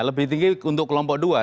lebih tinggi untuk kelompok dua